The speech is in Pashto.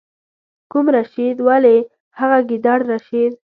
کوم رشید؟ ولې هغه ګیدړ رشید.